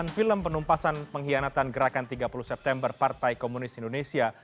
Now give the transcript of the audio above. film penumpasan pengkhianatan gerakan tiga puluh september partai komunis indonesia